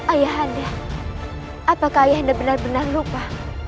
ayahanda apakah ayahanda benar benar lupa